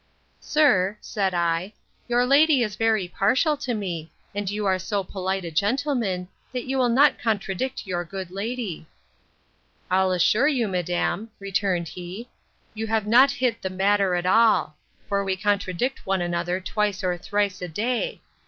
Sir, said I, your lady is very partial to me; and you are so polite a gentleman, that you will not contradict your good lady. I'll assure you, madam, returned he, you have not hit the matter at all; for we contradict one another twice or thrice a day.